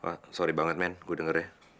wah maaf banget men gue dengar ya